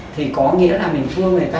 thì có nghĩa là mình thua người ta